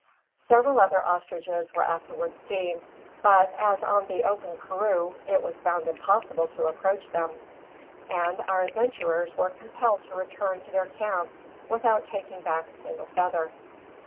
Several other ostriches were afterwards seen; but, as on the open karroo, it was found impossible to approach them; and our adventurers were compelled to return to their camp without taking back a single feather.